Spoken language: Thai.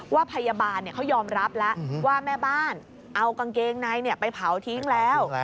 ว่าพยาบาลเขายอมรับแล้วว่าแม่บ้านเอากางเกงในไปเผาทิ้งแล้ว